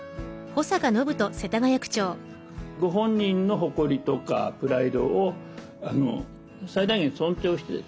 ご本人の誇りとかプライドを最大限尊重してですね